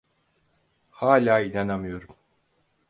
Hâlâ inanamıyorum.